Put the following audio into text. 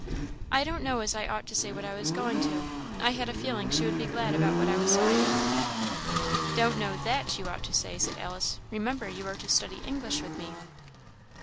"I don't know as I ought to say what I was going to; I had a feeling she would be glad about what I was sorry about." "Don't know that you ought to say," said Alice. "Remember, you are to study English with me."